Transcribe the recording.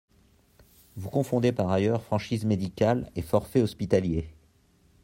Vous confondez par ailleurs franchise médicale et forfait hospitalier.